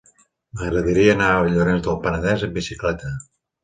M'agradaria anar a Llorenç del Penedès amb bicicleta.